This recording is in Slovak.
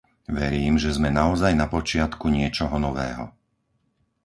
Verím, že sme naozaj na počiatku niečoho nového.